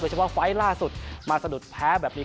เฉพาะไฟล์ล่าสุดมาสะดุดแพ้แบบนี้